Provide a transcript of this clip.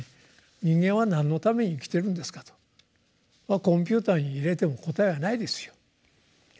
「人間は何のために生きているんですか」と。コンピューターに入れても答えはないですよ。